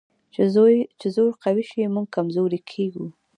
چې زور قوي شي، موږ کمزوري کېږو.